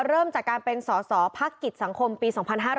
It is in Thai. เริ่มจากการเป็นสอสอพักกิจสังคมปี๒๕๕๙